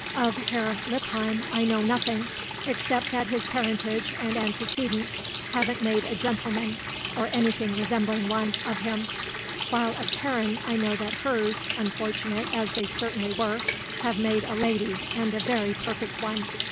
Of Herr Lippheim I know nothing, except that his parentage and antecedents haven't made a gentleman, or anything resembling one, of him; while of Karen I know that hers, unfortunate as they certainly were, have made a lady and a very perfect one.